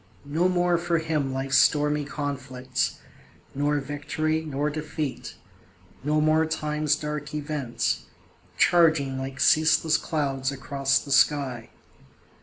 No more for him life's stormy conflicts, Nor victory, nor defeat no more time's dark events, Charging like ceaseless clouds across the sky.